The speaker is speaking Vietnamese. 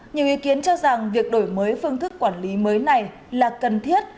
nhiều ý kiến cho rằng việc đổi mới phương thức quản lý mới này là cần thiết